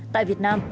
tại việt nam